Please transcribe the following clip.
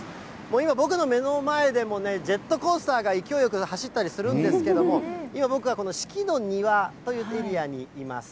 今、僕の目の前でもジェットコースターが勢いよく走ったりするんですけれども、今、僕は四季の庭というエリアにあります。